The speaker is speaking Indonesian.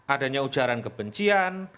adanya ujaran kebencian